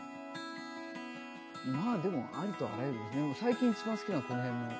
まあでもありとあらゆる最近一番好きなのはこの辺の。